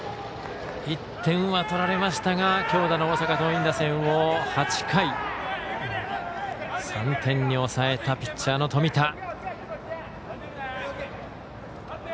１点は取られましたが強打の大阪桐蔭打線を８回、３点に抑えたピッチャーの冨田。